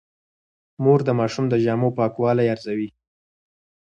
مور د ماشوم د جامو پاکوالی ارزوي.